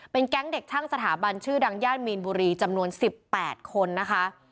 แก๊งเด็กช่างสถาบันชื่อดังย่านมีนบุรีจำนวน๑๘คนนะคะ